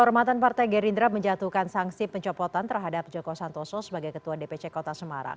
kehormatan partai gerindra menjatuhkan sanksi pencopotan terhadap joko santoso sebagai ketua dpc kota semarang